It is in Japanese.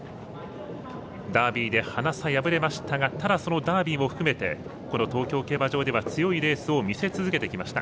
ダービーでハナ差敗れましたがただ、そのダービーも含めて東京競馬場では強いレースを見せ続けてきました。